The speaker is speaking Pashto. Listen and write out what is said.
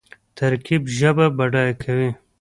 ترکیب ژبه بډایه کوي.